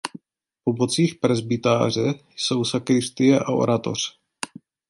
Po bocích presbytáře jsou sakristie a oratoř.